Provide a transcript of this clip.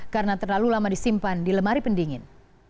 karena terlalu lama disimpan di lemari pendingin